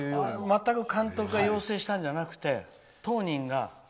全く、監督が要請したんじゃなくて当人が？